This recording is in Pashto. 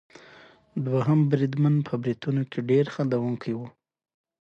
دوهم بریدمن په بریتونو کې ډېر خندوونکی وو.